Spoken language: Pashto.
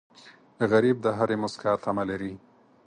غریب د هرې موسکا تمه لري